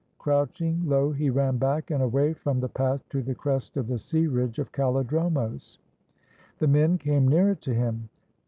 Crouching low, he ran back and away from the path to the crest of the sea ridge of Kallidromos. The men came nearer to him.